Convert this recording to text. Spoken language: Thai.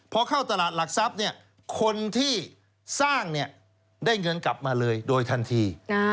พอเข้าตลาดหลักทรัพย์คนที่สร้างได้เงินกลับมาเลยโดยทันที